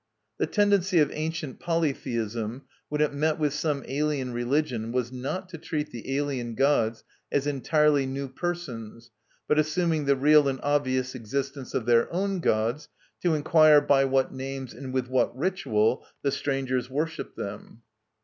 The tendency of ancient polytheism, when it met with some alien religion, was not to treat the alien gods as entirely new persons, but assuming the real and obvious existence of their own gods, to inquire by what names and with what ritual the strangers worshipped them.